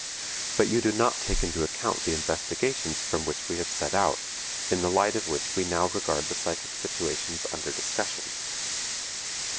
But you do not take into account the investigations from which we have set out, in the light of which we now regard the psychic situations under discussion.